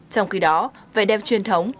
trong khi đó vẻ đẹp truyền thống